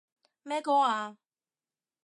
咩歌啊？